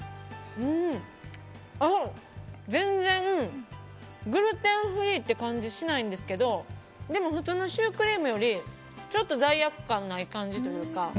全然、グルテンフリーって感じはしないんですけどでも普通のシュークリームより罪悪感がない感じというか。